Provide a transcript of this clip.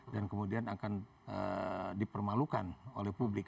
dan kemudian akan dipermalukan oleh publik